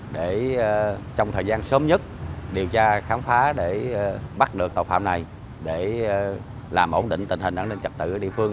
để trong thời gian sớm nhất điều tra khám phá để bắt được tội phạm này để làm ổn định tình hình an ninh trật tự ở địa phương